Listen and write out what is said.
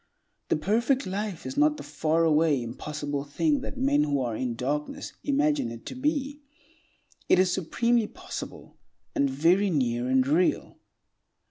The perfect life is not the faraway, impossible thing that men who are in darkness imagine it to be; it is supremely possible, and very near and real.